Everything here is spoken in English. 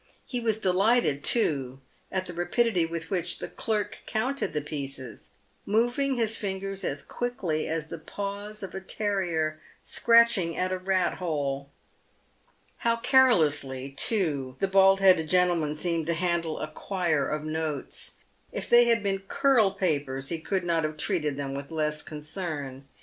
He was delighted, too, at the rapidity with which the clerk counted the pieces, moving his fingers as quickly as the paws of a terrier scratching at a rat hole. How carelessly, too, the bald headed gentleman seemed to handle a quire of notes. If they had been curl papers he could not have treated them with less concern.